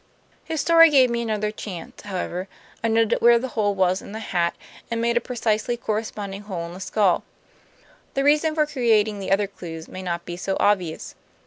His story gave me another chance, however; I noted where the hole was in the hat, and made a precisely corresponding hole in the skull. The reason for creating the other clews may not be so obvious.